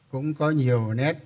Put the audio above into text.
cũng có nhiều nét